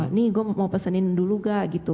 ini gue mau pesenin dulu gak gitu